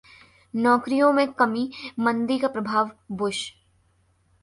नौकरियों में कमी मंदी का प्रभाव: बुश